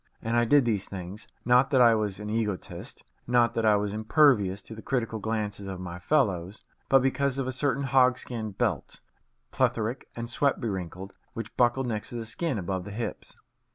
And I did these things, not that I was an egotist, not that I was impervious to the critical glances of my fellows, but because of a certain hogskin belt, plethoric and sweat bewrinkled, which buckled next the skin above the hips.